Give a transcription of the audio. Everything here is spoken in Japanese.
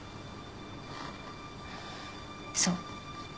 そう。